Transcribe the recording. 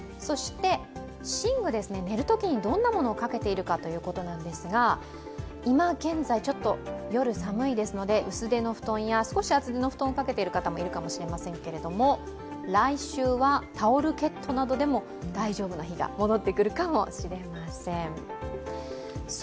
寝具、寝るときにどんなものをかけているかということなんですが今現在夜寒いですので薄手の布団や少し厚手の布団を掛けている方もいらっしゃるかもしれないですけど来週はタオルケットなどでも大丈夫な日が戻ってくるかもしれません。